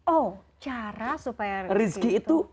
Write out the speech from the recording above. oh cara supaya rezeki itu